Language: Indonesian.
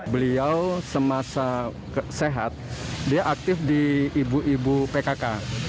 beliau semasa sehat dia aktif di ibu ibu pkk